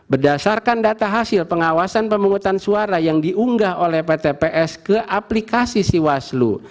berdasarkan data hasil pengawasan pemungutan suara yang diunggah oleh pt ps ke aplikasi siwaslu